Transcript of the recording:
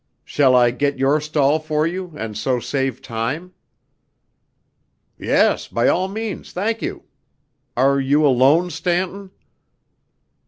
Shall I get your stall for you, and so save time?" "Yes, by all means, thank you. Are you alone, Stanton?"